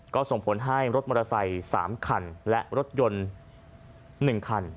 ก็ส่งผลให้รถมอเตอร์ไซค์๓คันและรถยนต์๑คัน